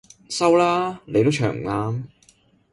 收啦，你都唱唔啱